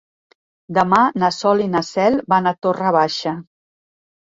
Demà na Sol i na Cel van a Torre Baixa.